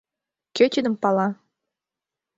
Кӧ тидым пала?